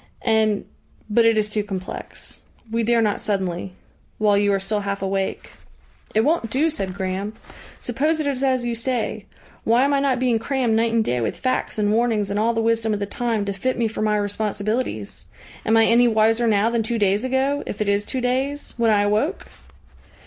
And but it is too complex. We dare not suddenly while you are still half awake." "It won't do," said Graham. "Suppose it is as you say why am I not being crammed night and day with facts and warnings and all the wisdom of the time to fit me for my responsibilities? Am I any wiser now than two days ago, if it is two days, when I awoke?"